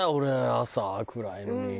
朝暗いのに。